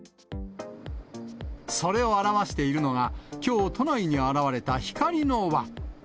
それを表しているのが、きょう、都内に現れた光の輪。